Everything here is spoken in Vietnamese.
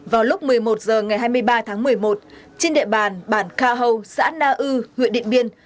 vào lúc một mươi một h ngày hai mươi ba tháng một mươi một trên địa bàn bản kha hâu xã na ư huyện điện biên